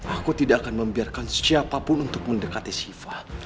aku tidak akan membiarkan siapapun untuk mendekati shiva